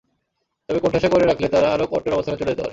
তবে কোণঠাসা করে রাখলে তারা আরও কট্টর অবস্থানে চলে যেতে পারে।